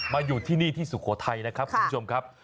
อยู่ที่นี่ที่สุโขทัยนะครับคุณผู้ชมครับ